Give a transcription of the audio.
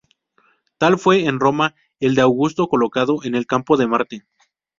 Tal fue en Roma el de Augusto colocado en el campo de Marte.